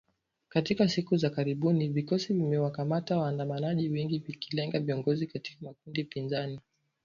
Katika siku za karibuni vikosi vimewakamata waandamanaji wengi vikilenga viongozi katika makundi pinzani